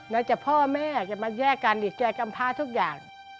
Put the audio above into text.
ในะพ่อแม่เก่งมาแย้กกันเก่ากลับภาพทุกอย่าง